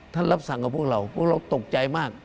รับสั่งกับพวกเราพวกเราตกใจมาก